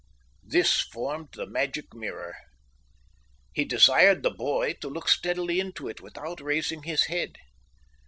This formed the magic mirror. He desired the boy to look steadily into it without raising his head.